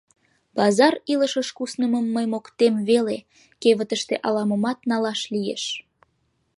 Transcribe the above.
Пазар илышыш куснымым мый моктем веле: кевытыште ала-момат налаш лиеш.